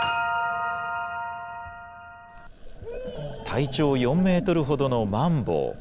体長４メートルほどのマンボウ。